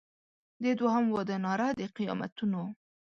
د دوهم واده ناره د قیامتونو